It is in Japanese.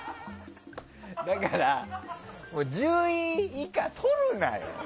だから１０位以下、とるなよ！